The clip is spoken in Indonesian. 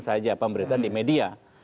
saja pemberitaan di media